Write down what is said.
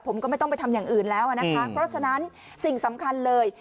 ผมก็ไม่ต้องไปทำอย่างอื่นแล้วนะคะเพราะฉะนั้นสิ่งสำคัญเลย